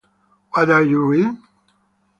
What are you reading?